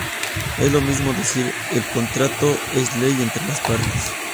Es lo mismo decir, el contrato es ley entre las partes.